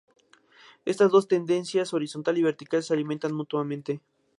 Estas dos tendencias, horizontal y vertical, se alimentan mutuamente.